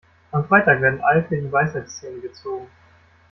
Am Freitag werden Alke die Weisheitszähne gezogen.